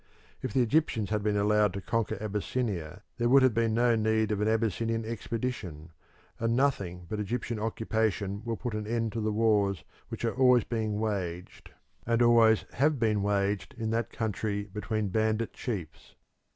If the Egyptians had been allowed to conquer Abyssinia there would have been no need of an Abyssinian expedition, and nothing but Egyptian occupation will put an end to the wars which are always being waged and always have been waged in that country between bandit chiefs.